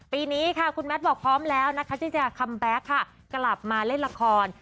ปีนี้ค่ะคุณแมทบอกพร้อมแล้วนะคะที่จะคัมแบ็คค่ะกลับมาเล่นละคร